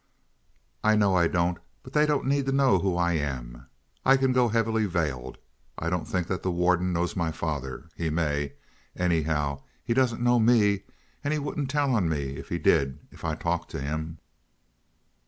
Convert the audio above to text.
"I know I don't, but they don't need to know who I am. I can go heavily veiled. I don't think that the warden knows my father. He may. Anyhow, he doesn't know me; and he wouldn't tell on me if he did if I talked to him."